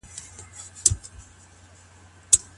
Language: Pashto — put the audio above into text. یوناني حکیمان څه ډول درمل ورکوي؟